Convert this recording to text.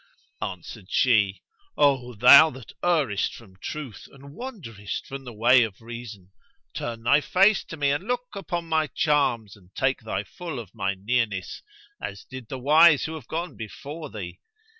Answered she, "O thou that errest from the truth and wanderest from the way of reason, turn thy face to me and look upon my charms and take thy full of my nearness, as did the wise who have gone before thee.